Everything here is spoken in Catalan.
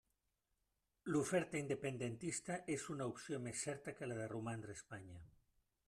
L'oferta independentista és una opció més certa que la de romandre a Espanya.